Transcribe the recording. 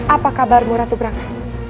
apa kabarmu ratu prana